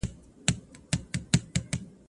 ميوې د زهشوم له خوا خورل کيږي؟